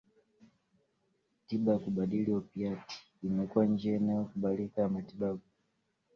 Tiba ya kubadili opiati imekuwa njia inayokubalika ya matibabu